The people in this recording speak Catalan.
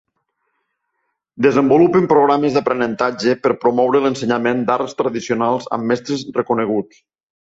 Desenvolupen programes d'aprenentatge per promoure l'ensenyament d'arts tradicionals amb mestres reconeguts.